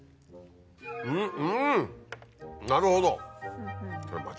んっうんなるほど。